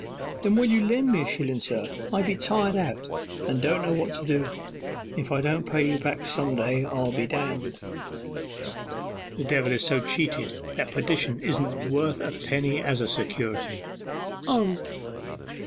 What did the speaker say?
'Then will you lend me a shillen, sir? I be tired out, and don't know what to do. If I don't pay you back some day I'll be d d.' 'The devil is so cheated that perdition isn't worth a penny as a security.' 'Oh!